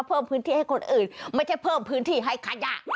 เพิ่มพื้นที่ให้คนอื่นไม่ใช่เพิ่มพื้นที่ให้ขยะ